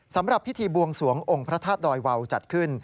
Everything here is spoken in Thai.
สำหรับพิธีบวงสวงองค์พระธาตุดอยวาวจัดขึ้น